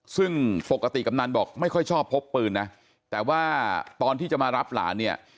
ซึ่งปกติกำนันบอกไม่ค่อยชอบพกปืนนะแต่ว่าตอนที่จะมารับหลานเนี่ย